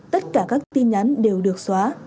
tất cả các tin nhắn đều được xóa